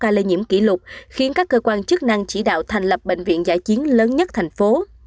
ca lây nhiễm kỷ lục khiến các cơ quan chức năng chỉ đạo thành lập bệnh viện giã chiến lớn nhất thành phố